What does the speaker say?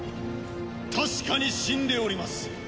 確かに死んでおります！